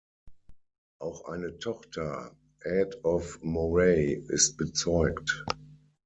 Auch eine Tochter, Aed of Moray, ist bezeugt.